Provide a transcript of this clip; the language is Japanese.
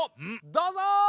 どうぞ。